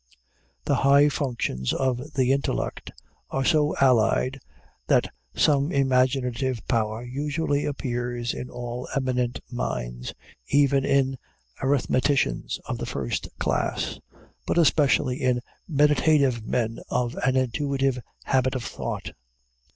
The high functions of the intellect are so allied that some imaginative power usually appears in all eminent minds, even in arithmeticians of the first class, but especially in meditative men of an intuitive habit of thought.